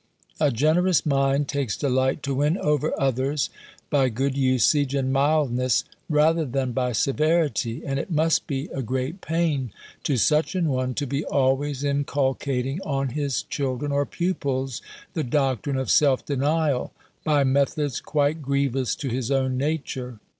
A generous mind takes delight to win over others by good usage and mildness, rather than by severity; and it must be a great pain to such an one, to be always inculcating, on his children or pupils, the doctrine of self denial, by methods quite grievous to his own nature.